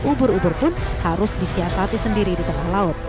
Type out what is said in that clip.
ubur ubur pun harus disiasati sendiri di tengah laut